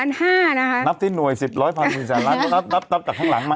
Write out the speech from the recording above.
นับที่หน่วย๑๐๔แสนล้านก็นับจากข้างหลังมา